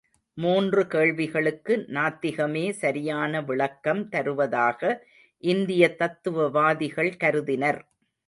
மூன்று கேள்விகளுக்கு நாத்திகமே சரியான விளக்கம் தருவதாக இந்தியத் தத்துவவாதிகள் கருதினர்.